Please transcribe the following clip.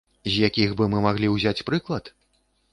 З якіх бы мы маглі ўзяць прыклад?